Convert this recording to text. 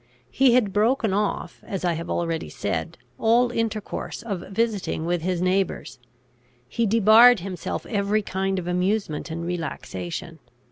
He had broken off, as I have already said, all intercourse of visiting with his neighbours. He debarred himself every kind of amusement and relaxation.